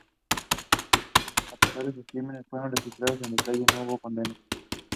She studies variation in political attitudes and values across countries.